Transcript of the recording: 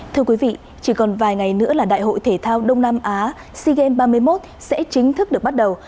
thưa quý vị chỉ còn vài ngày nữa là đại hội thể thao đông nam á sea games ba mươi một sẽ chính thức được bắt đầu